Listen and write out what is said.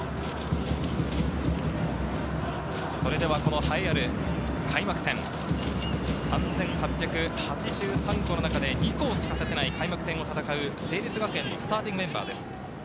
それでは、この栄えある開幕戦、３８８３校の中で、２校しか立てない開幕戦を戦う成立学園のスターティングメンバーです。